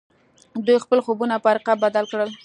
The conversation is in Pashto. دوی خپل خوبونه پر حقيقت بدل کړل.